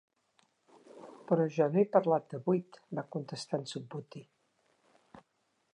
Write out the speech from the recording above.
"Però jo no he parlat de buit", va contestar en Subhuti.